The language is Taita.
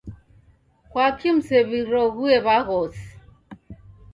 Kwaki msew'iroghue w'aghosi?